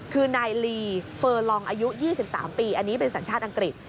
คือนายลีเฟอร์ลองอายุ๒๓ปีอันนี้เป็นสัญชาติอังกฤษ